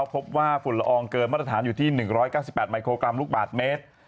ฝุ่นละอองเกินมาตรฐานอยู่ที่๑๙๘มิโครกรัมลูกบาทเมตร